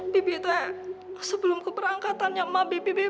bibik teh sebelum keberangkatannya ma bibik bibik